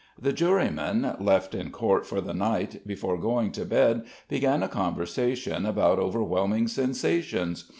The jurymen, left in court for the night, before going to bed, began a conversation about overwhelming sensations.